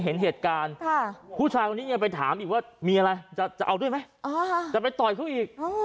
เห็นเหตุการณ์ผู้ชายคนนี้ยังไปถามอีกว่ามีอะไรจะเอาด้วยไหมจะไปต่อยเขาอีก